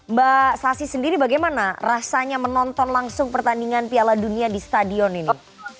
mbak sasi sendiri bagaimana rasanya menonton langsung pertandingan piala dunia di stadion ini